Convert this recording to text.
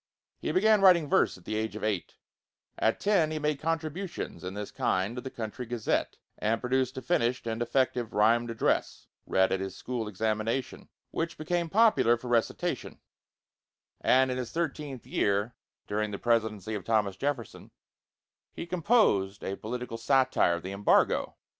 He began writing verse at the age of eight; at ten he made contributions in this kind to the county gazette, and produced a finished and effective rhymed address, read at his school examination, which became popular for recitation; and in his thirteenth year, during the Presidency of Thomas Jefferson, he composed a political satire, 'The Embargo.'